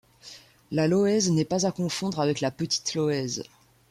La Loëze n'est pas à confondre avec la Petite Loëze.